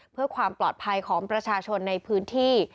เพื่อความปลอดภัยของประชาชนในพื้นที่